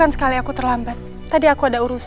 saya pergi dulu